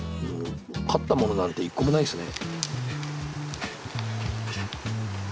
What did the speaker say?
買ったものなんて一個もないですね。